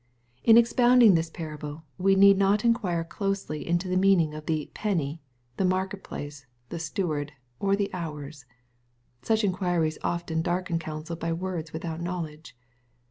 In expounding this parable, we need not inquire closely into the meaning of the " penny," the " market place," the " steward," or the " hours." Such inquiries often darken counsel by words without knowledg ^.